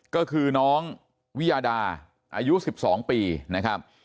ก็คือน้องวิยาดาอายุ๑๒ปีนะครับ